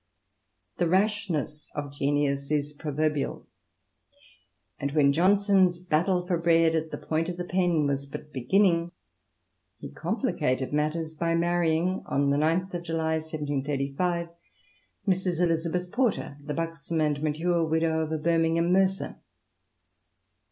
The rashness of genius is proverbial, and when John son's battle for bread at the point of the [len was but beginning, he complicated matters by marrying, on the gth of July 1735, Mrs. Eliiabeth Porter, the buxom and mature widow of a Birmingham mercer.